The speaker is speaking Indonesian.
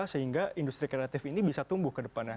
sehingga industri kreatif ini bisa tumbuh ke depannya